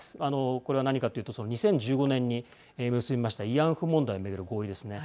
これは何かというと２０１５年に結びました慰安婦問題を巡る合意ですね。